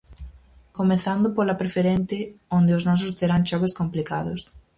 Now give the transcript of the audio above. Comezando pola Preferente onde os nosos terán choques complicados.